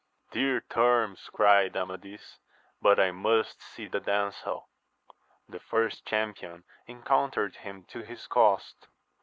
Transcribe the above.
Dear terms ! cried Amadis : but I must see the damsel. The first champion encountered him to his cost.